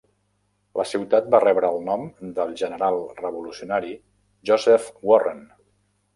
La ciutat va rebre el nom del general revolucionari Joseph Warren.